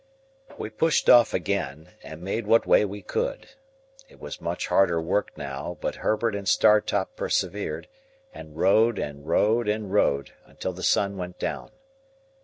We pushed off again, and made what way we could. It was much harder work now, but Herbert and Startop persevered, and rowed and rowed and rowed until the sun went down.